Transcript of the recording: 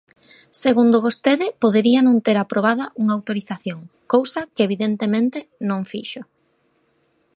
Segundo vostede podería non ter aprobado unha autorización, cousa que evidentemente non fixo.